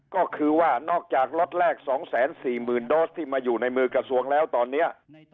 ก็คือว่านอกจากล็อตแรก๒๔๐๐๐โดสที่มาอยู่ในมือกระทรวงแล้วตอนนี้